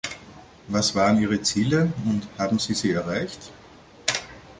Was waren Ihre Ziele und haben Sie sie erreicht?